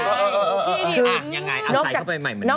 ยังไงเอาใส่เข้าไปใหม่เหมือนกัน